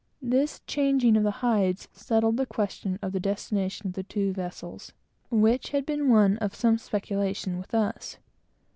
This changing of the hides settled the question of the destination of the two vessels, which had been one of some speculation to us.